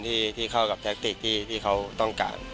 ที่เข้ากับแท็กติกที่เขาต้องการ